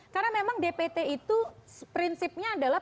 karena memang dpt itu prinsipnya adalah